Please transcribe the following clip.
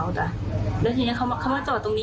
แล้วทีนี้เขามาจอดตรงนี้